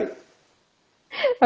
dengan senang hati